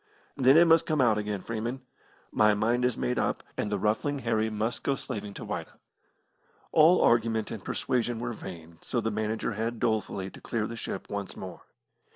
"Then it must come out again, Freeman. My mind is made up, and the Ruffling Harry must go slaving to Whydah." All argument and persuasion were vain, so the manager had dolefully to clear the ship once more.